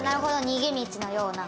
逃げ道のような。